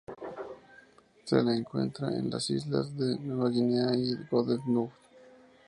Se la encuentra en en las islas de Nueva Guinea y Goodenough.